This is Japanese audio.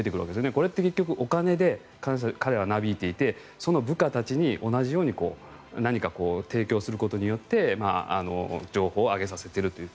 これって結局お金で彼らはなびいていてその部下たちに同じように何か、提供することによって情報を上げさせているという。